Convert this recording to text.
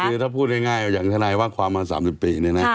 คือถ้าพูดง่ายอย่างทนายว่าความมา๓๐ปีเนี่ยนะ